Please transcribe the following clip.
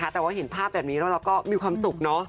แต่ว่าเห็นภาพแบบนี้แล้วเราก็มีความสุขเนอะ